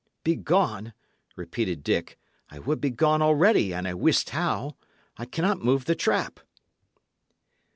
"Begone!" repeated Dick. "I would be gone already, an' I wist how. I cannot move the trap."